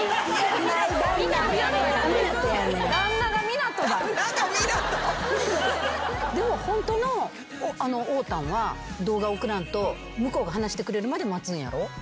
「旦那が湊斗」でもホントのおーたんは動画送らんと向こうが話してくれるまで待つんやろ？